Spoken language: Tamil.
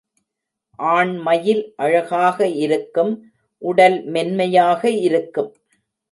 ஆண் மயில் அழகாக இருக்கும் உடல் மென்மையாக இருக்கும்.